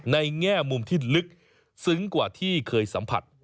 แง่มุมที่ลึกซึ้งกว่าที่เคยสัมผัส